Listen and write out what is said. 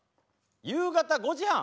夕方５時半？